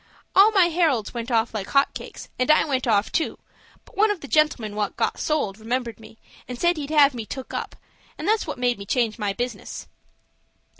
All my Heralds went off like hot cakes, and I went off, too, but one of the gentlemen what got sold remembered me, and said he'd have me took up, and that's what made me change my business."